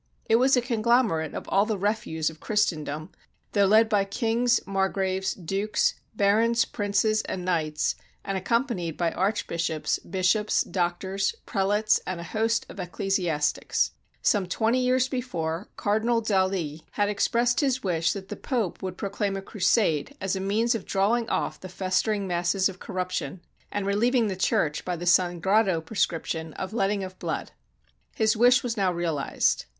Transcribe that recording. It was a conglomerate of all the refuse of Christendom, though led by kings, margraves, dukes, barons, princes, and knights, and accompanied by arch bishops, bishops, doctors, prelates, and a host of eccle siastics. Some twenty years before. Cardinal d'Aillyhad 273 AUSTRIA HUNGARY expressed his wish that the Pope would proclaim a cru sade as a means of drawing off the festering masses of cor ruption, and relieving the Church by the Sangrado pre scription of letting of blood. His wish was now realized.